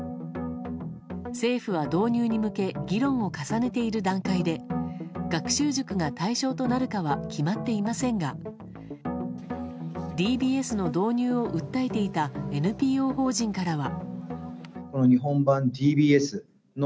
政府は導入に向け議論を重ねている段階で学習塾が対象となるかは決まっていませんがＤＢＳの導入を訴えていたＮＰＯ法人からは。